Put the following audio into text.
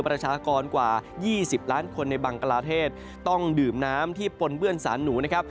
ประชากรกว่า๒๐ล้านคนในบังกลาเทศต้องดื่มน้ำที่ปนเปื้อนสารหนูนะครับ